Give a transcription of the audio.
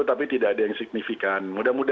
tapi tidak ada yang signifikan